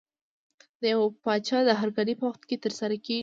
د یو پاچا د هرکلي په وخت کې ترسره کېږي.